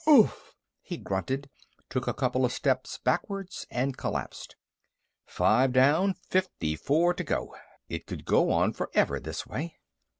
"Oof!" he grunted, took a couple of steps backwards, and collapsed. Five down. Fifty four to go. It could go on forever this way.